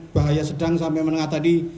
bahaya sedang sampai menengah tadi